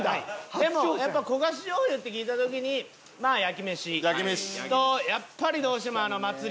でもやっぱ焦がし醤油って聞いた時にまあ焼きメシとやっぱりどうしてもあの祭りの香り。